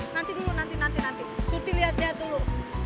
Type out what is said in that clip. nanti dulu nanti nanti nanti surti lihat lihat dulu